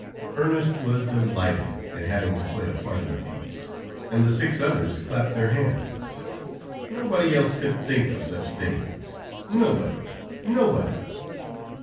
Ernest was delighted at having to play a part in the piece, and the six others clapped their hands. "Nobody else could think of such things; nobody, nobody!"